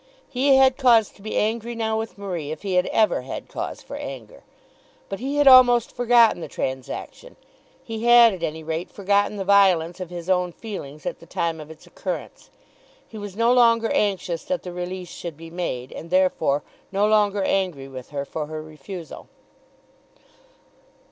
He had cause to be angry now with Marie if he had ever had cause for anger. But he had almost forgotten the transaction. He had at any rate forgotten the violence of his own feelings at the time of its occurrence. He was no longer anxious that the release should be made, and therefore no longer angry with her for her refusal.